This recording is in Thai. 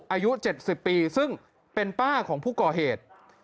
อายุ๗๐ปีซึ่งเป็นป้าของผู้ก่อเหตุ